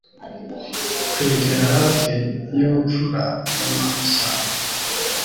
Kwegera hafi yubupfura bwamashyamba